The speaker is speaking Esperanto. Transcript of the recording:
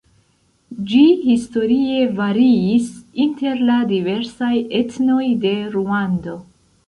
Ĝi historie variis inter la diversaj etnoj de Ruando.